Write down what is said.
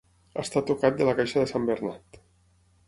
Estar tocat de la caixa de sant Bernat.